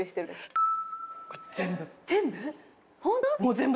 全部？